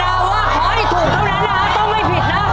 เขาวนะว่าข้อที่ถูกเท่านั้นต้องไม่ผิดนะ